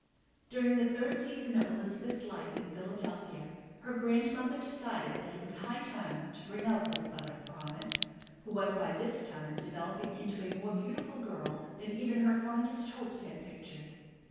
During the third season of Elizabeth's life in Philadelphia her grandmother decided that it was high time to bring out this bud of promise, who was by this time developing into a more beautiful girl than even her fondest hopes had pictured.